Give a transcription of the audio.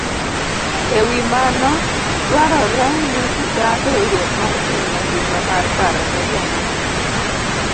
E wi mano, dwarore ni ochak riwruok mar piny mangima mar paro ne joma